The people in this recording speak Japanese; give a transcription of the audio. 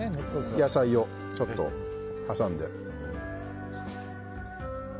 野菜をちょっと挟んで。